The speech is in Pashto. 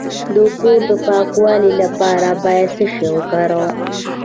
د کور د پاکوالي لپاره باید څه شی وکاروم؟